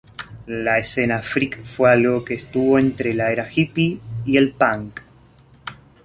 La escena freak fue algo que estuvo entre la era hippie y el punk.